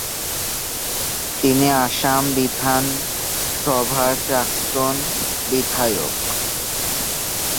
তিনি আসাম বিধানসভার প্রাক্তন বিধায়ক।